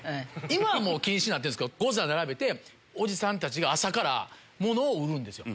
今は禁止になってるけどゴザ並べておじさんたちが朝から物を売るんですよ。